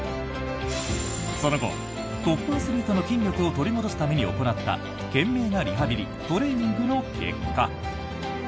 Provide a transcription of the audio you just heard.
その後トップアスリートの筋力を取り戻すために行った懸命なリハビリトレーニングの結果。